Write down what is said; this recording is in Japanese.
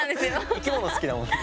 生き物好きだもんね。